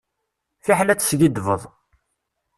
Fiḥel ad teskiddbeḍ.